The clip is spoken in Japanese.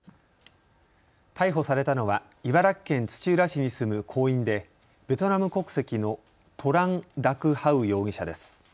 逮捕されたのは茨城県土浦市に住む工員でベトナム国籍のトラン・ダク・ハウ容疑者です。